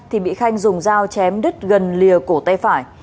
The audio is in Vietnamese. thì bị khanh dùng dao chém đứt gần lìa cổ tay phải